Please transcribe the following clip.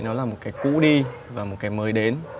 nó là một cái cũ đi và một cái mới đến